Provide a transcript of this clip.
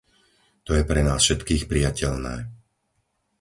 To je pre nás všetkých prijateľné.